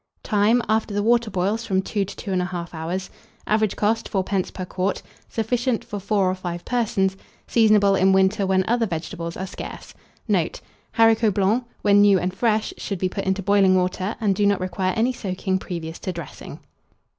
Time. After the water boils, from 2 to 2 1/2 hours. Average cost, 4d. per quart. Sufficient for 4 or 5 persons. Seasonable in winter, when other vegetables are scarce. Note. Haricots blancs, when new and fresh, should be put into boiling water, and do not require any soaking previous to dressing.